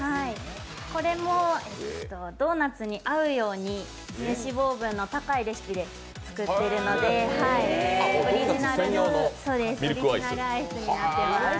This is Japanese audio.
これもドーナツに合うように乳脂肪分の高いレシピで作っているのでオリジナルアイスになっています。